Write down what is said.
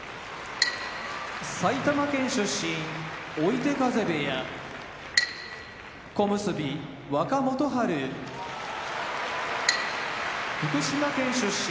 埼玉県出身追手風部屋小結・若元春福島県出身